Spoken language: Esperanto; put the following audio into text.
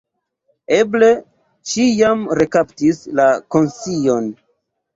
Eble ŝi jam rekaptis la konscion.